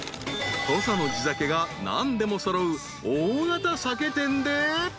［土佐の地酒が何でも揃う大型酒店で］